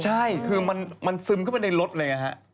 ใช่คือมันซึมเข้าไปในรถเลยนะฮะ